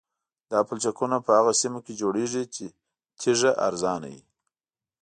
دا پلچکونه په هغه سیمو کې جوړیږي چې تیږه ارزانه وي